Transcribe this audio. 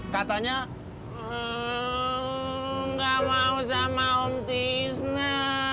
katanya nggak mau sama om tisna